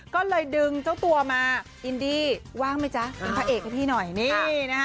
ก็เลยดึงเจ้าตัวมาอินดี้ว่างไหมจ๊ะเป็นพระเอกให้พี่หน่อยนี่นะฮะ